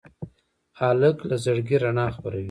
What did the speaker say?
هلک له زړګي رڼا خپروي.